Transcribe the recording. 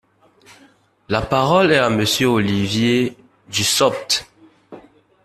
La parole est à Monsieur Olivier Dussopt.